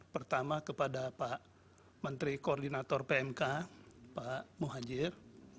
pertama kepada pak menteri koordinator pmk pak muhajir